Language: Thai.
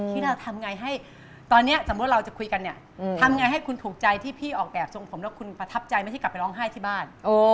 ที่เราทำไงให้ตอนนี้สมมุติเราจะคุยกันเนี่ยทำไงให้คุณถูกใจที่พี่ออกแบบทรงผมแล้วคุณประทับใจไม่ให้กลับไปร้องไห้ที่บ้าน